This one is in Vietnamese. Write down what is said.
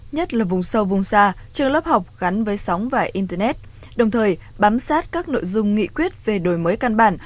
nhất là vùng sâu vùng xa trường lớp học gắn với sóng và internet đồng thời bám sát các nội dung nghị quyết về đổi mới căn bản